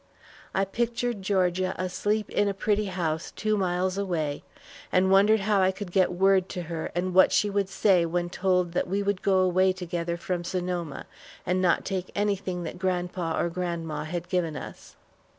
I pictured Georgia asleep in a pretty house two miles away, wondered how I could get word to her and what she would say when told that we would go away together from Sonoma, and not take anything that grandpa or grandma had given us.